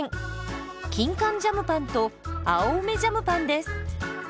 キンカンジャムパンと青梅ジャムパンです。